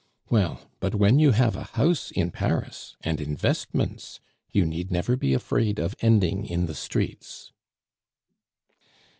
Well, but when you have a house in Paris and investments, you need never be afraid of ending in the streets."